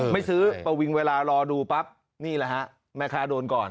ไม่ซื้อประวิงเวลารอดูปั๊บนี่แหละฮะแม่ค้าโดนก่อน